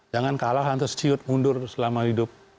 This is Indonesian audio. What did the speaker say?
jangan kalah hantu seciut mundur selama hidup